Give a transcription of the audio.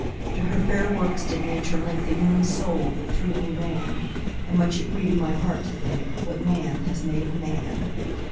To her fair works did Nature link The human soul that through me ran; And much it grieved my heart to think What man has made of man.